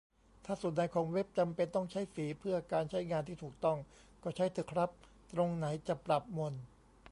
ถ้าส่วนไหนของเว็บจำเป็นต้องใช้สีเพื่อการใช้งานที่ถูกต้อง ก็ใช้เถอะครับ ตรงไหนจะปรับหม่น